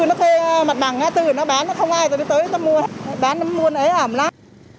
nó kê mặt bằng ngã tư nó bán nó không ai rồi đi tới ta mua bán mua nó é ẩm lắm